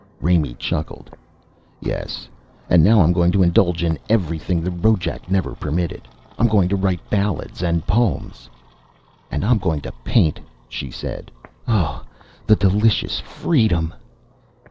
Raimee chuckled. "Yes. And now I'm going to indulge in everything the Rojac never permitted. I'm going to write ballads and poems." "And I'm going to paint," she said. "Oh, the delicious freedom!"